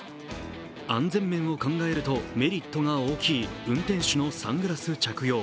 安全面をの考えるとメリットが大きい運転手のサングラス着用。